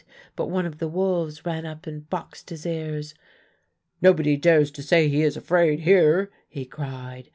But one of the wolves ran up and boxed his ears. 'Nobody dares to say he is afraid here,' he cried.